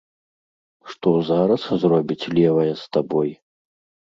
Што зараз зробіць левая з табой.